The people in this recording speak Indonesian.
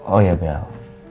oh ya bel